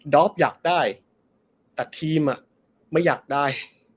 อฟอยากได้แต่ทีมไม่อยากได้